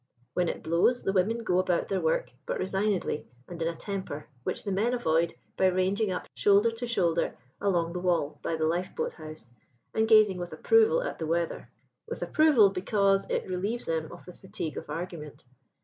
When it blows, the women go about their work, but resignedly and in a temper, which the men avoid by ranging up shoulder to shoulder along the wall by the lifeboat house, and gazing with approval at the weather; with approval, because it relieves them of the fatigue of argument.